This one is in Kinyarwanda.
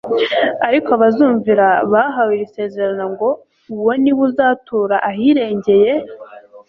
Ariko abazumvira bahawe iri sezerano ngo: « uwo ni we uzatura ahirengeye,